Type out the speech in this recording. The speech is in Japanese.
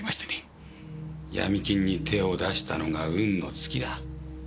闇金に手を出したのが運の尽きだ。